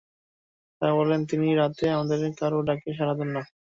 তারা বলল, তিনি রাতে আমাদের কারো ডাকে সাড়া দেন না।